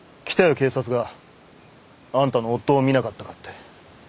警察が。あんたの夫を見なかったかって。